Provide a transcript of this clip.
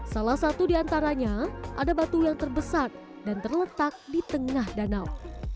salah satu diantaranya ada batu yang terbesar dan terletak di tengah danau